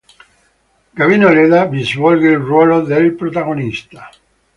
Gavino Ledda vi svolge il ruolo del protagonista.